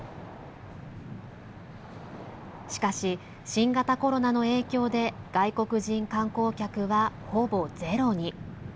しかし、新型コロナの影響で外国人観光客はほぼゼロに。